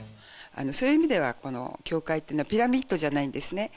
そういう意味ではこの教会っていうのはピラミッドじゃないんですね